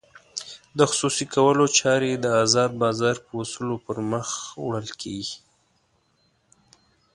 د خصوصي کولو چارې د ازاد بازار په اصولو پرمخ وړل کېږي.